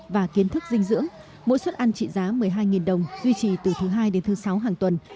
và kiến thức dinh dưỡng mỗi suất ăn trị giá một mươi hai đồng duy trì từ thứ hai đến thứ sáu hàng tuần